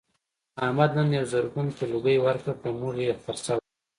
احمد نن یوه زرګون ته لوګی ورکړ په موږ یې خرڅه وکړله.